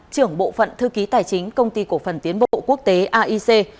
trưởng bộ phận thư ký tài chính công ty cổ phần tiến bộ quốc tế aic